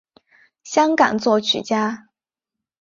香港作曲家。